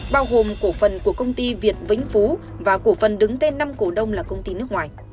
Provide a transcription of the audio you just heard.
bao gồm cổ phần của công ty việt vĩnh phú và cổ phần đứng tên năm cổ đông là công ty nước ngoài